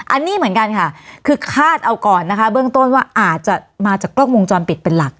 อันนี้เหมือนกันค่ะคือคาดเอาก่อนนะคะเบื้องต้นว่าอาจจะมาจากกล้องวงจรปิดเป็นหลัก